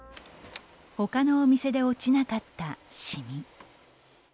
ほかのお店で落ちなかったシミ。